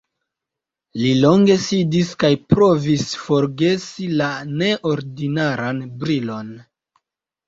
Li longe sidis kaj provis forgesi la neordinaran brilon.